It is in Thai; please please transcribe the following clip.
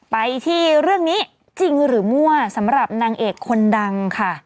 ไปที่เรื่องนี้จริงหรือมั่วสำหรับนางเอกคนดังค่ะ